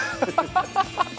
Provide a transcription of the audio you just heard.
ハハハハ！